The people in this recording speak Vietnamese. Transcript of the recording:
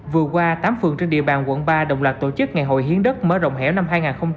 vừa qua tám phường trên địa bàn quận ba đồng lạc tổ chức ngày hội hiến đất mở rộng hẻm năm hai nghìn một mươi chín